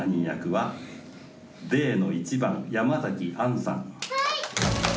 はい！